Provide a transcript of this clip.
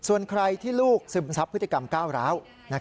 ส่วนใครที่ลูกซึมซับพฤติกรรมก้าวร้าว